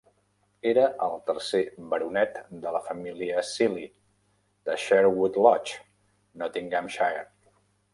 Era el tercer baronet de la família Seely, de Sherwood Lodge, Nottinghamshire.